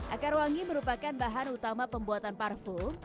akar wangi merupakan bahan utama pembuatan parfum